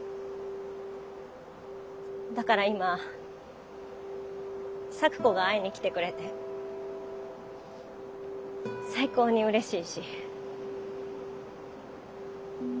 だから今咲子が会いに来てくれて最高に嬉しいし。